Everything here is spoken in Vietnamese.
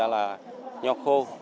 là nho khô